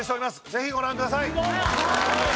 ぜひご覧ください。